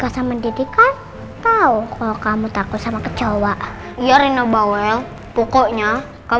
jangan berita besoh